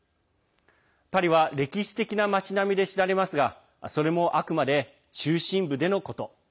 パリは歴史的な街並みで知られますがそれも、あくまで中心部でのこと。